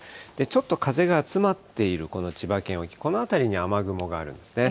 ちょっと風が集まっているこの千葉県沖、この辺りに雨雲があるんですね。